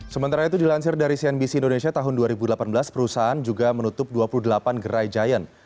sementara itu dilansir dari cnbc indonesia tahun dua ribu delapan belas perusahaan juga menutup dua puluh delapan gerai giant